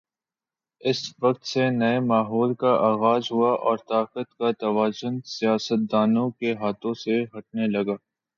اس وقت سے نئے ماحول کا آغاز ہوا اور طاقت کا توازن سیاستدانوں کے ہاتھوں سے ہٹنے لگا۔